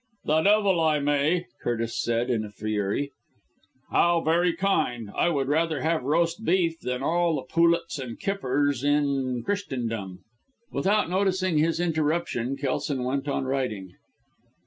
"The devil I may!" Curtis said, in a fury. "How very kind! I would rather have roast beef than all the poulets and kippers in Christendom." Without noticing this interruption, Kelson went on writing.